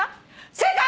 正解！